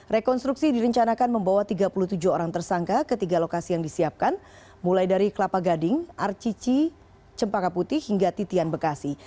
rekonstruksi direncanakan membawa tiga puluh tujuh orang tersangka ke tiga lokasi yang disiapkan mulai dari kelapa gading arcici cempaka putih hingga titian bekasi